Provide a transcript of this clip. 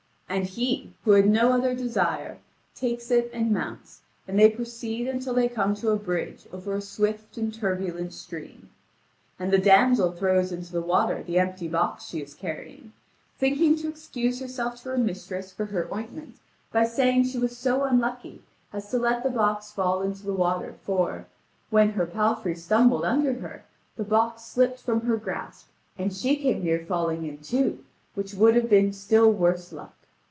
And he, who had no other desire, takes it and mounts, and they proceed until they come to a bridge over a swift and turbulent stream. And the damsel throws into the water the empty box she is carrying, thinking to excuse herself to her mistress for her ointment by saying that she was so unlucky as to let the box fall into the water for, when her palfrey stumbled under her, the box slipped from her gasp, and she came near falling in too, which would have been still worse luck.